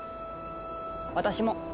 私も。